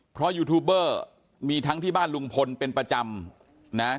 เพราะยูทูบเบอร์มีทั้งที่บ้านลุงพลเป็นประจำนะ